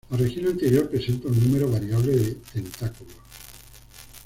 La región anterior presenta un número variable de tentáculos.